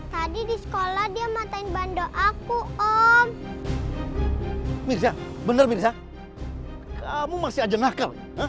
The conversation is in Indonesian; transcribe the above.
tadi di sekolah dia matain bandar aku om mirza bener mirza kamu masih aja nakal